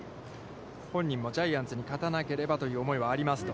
本人もジャイアンツに勝たなければという思いはありますと。